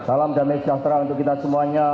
salam damai sejahtera untuk kita semuanya